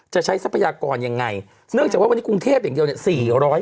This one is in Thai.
ใช้ทรัพยากรยังไงเนื่องจากว่าวันนี้กรุงเทพอย่างเดียวเนี่ย